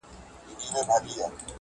o يا موړ مړی، يا غوړ غړی٫